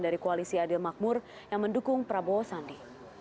dari koalisi adil makmur yang mendukung prabowo sandi